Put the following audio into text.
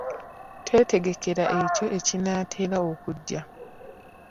Twetegekera ekyo ekinaatera okujja.